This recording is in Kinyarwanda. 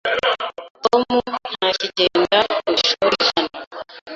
Tom ntakigenda ku ishuri hano.